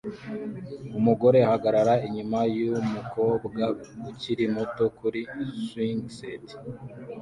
Umugore ahagarara inyuma yumukobwa ukiri muto kuri swing set